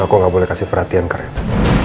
aku nggak boleh kasih perhatian ke rena